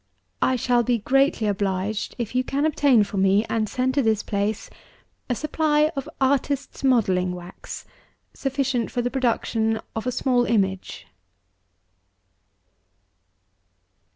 I shall be greatly obliged if you can obtain for me, and send to this place, a supply of artists' modeling wax sufficient for the product ion of a small image."